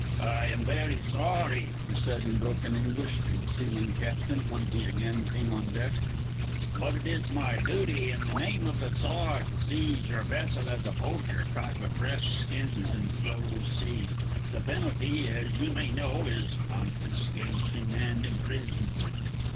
"I am very sorry," he said, in broken English to the sealing captain, when he again came on deck, "but it is my duty, in the name of the tsar, to seize your vessel as a poacher caught with fresh skins in the closed sea. The penalty, as you may know, is confiscation and imprisonment."